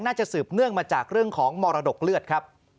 สืบเนื่องมาจากเรื่องของมรดกเลือดครับ